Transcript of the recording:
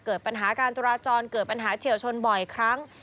เกิดปัญหาการจราจรเกิดปัญหาเฉียวชนบ่อยครั้ง